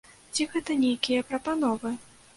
Ці гэта нейкія прапановы?